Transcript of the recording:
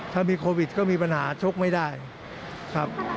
ถ้ามีโควิดก็มีปัญหาชกไม่ได้ครับ